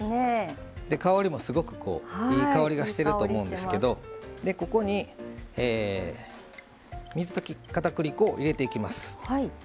香りも、すごくいい香りがしてると思うんですけどここに水溶きかたくり粉を入れていきます。